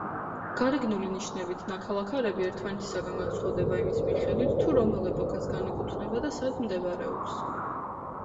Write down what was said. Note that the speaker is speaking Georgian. გარეგნული ნიშნებით ნაქალაქარები ერთმანეთისაგან განსხვავდება იმის მიხედვით, თუ რომელ ეპოქას განეკუთვნება და სად მდებარეობს.